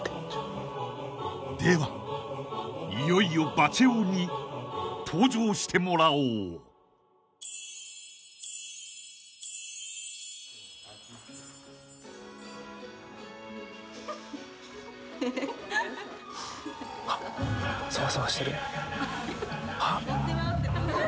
［ではいよいよバチェ男に登場してもらおう］あっソワソワしてる。